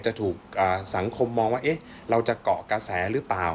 จะถูกสังคมมองว่าเราจะเกาะกระแสหรือเปล่า